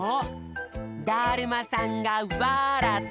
だるまさんがわらった！